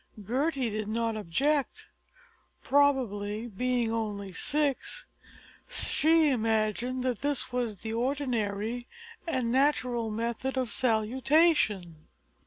Gertie did not object. Probably, being only six, she imagined that this was the ordinary and natural method of salutation.